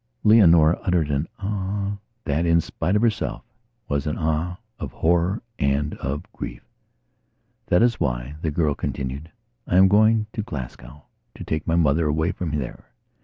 Leonora uttered an "Ah," that, in spite of herself, was an "Ah" of horror and of grief. "That is why," the girl continued, "I am going to Glasgowto take my mother away from there."